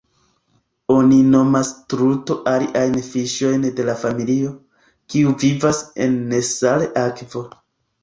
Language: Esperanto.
Oni nomas truto aliajn fiŝojn de la familio, kiu vivas en nesala akvo.